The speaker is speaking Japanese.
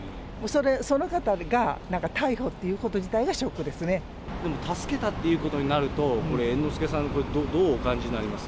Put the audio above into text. その方が、逮捕っていうこと自体助けたっていうことになると、これ、猿之助さん、どうお感じになります？